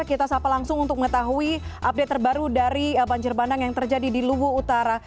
kita sapa langsung untuk mengetahui update terbaru dari banjir bandang yang terjadi di luwu utara